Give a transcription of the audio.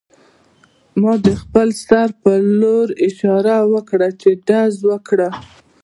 ما د خپل سر په لور اشاره وکړه چې ډز وکړه